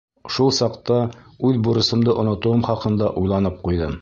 Шул саҡта үҙ бурысымды онотоуым хаҡында уйланып ҡуйҙым.